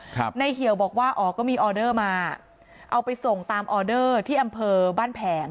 ครับในเหี่ยวบอกว่าอ๋อก็มีออเดอร์มาเอาไปส่งตามออเดอร์ที่อำเภอบ้านแผง